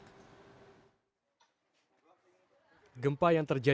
gempa yang terjadi di jumat malam di pekalongan rusak